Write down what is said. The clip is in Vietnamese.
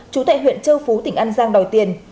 chú tại huyện châu phú tỉnh an giang đòi tiền